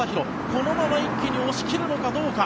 このまま一気に押し切るのかどうか。